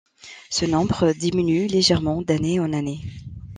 Ce nombre diminue légèrement d'année en année.